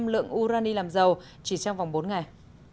hai mươi lượng urani làm dầu chỉ trong vòng bốn ngày